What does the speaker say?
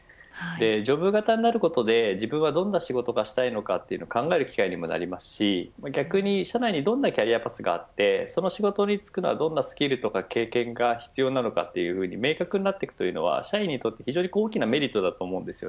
ジョブ型になることで自分がどんな仕事がしたいのかと考える機会にもなりますし逆に、社内にどんなキャリアパスがあってその仕事に就くにはどんなスキルや経験が必要なのか明確になるというのは社員にとっても大きなメリットです。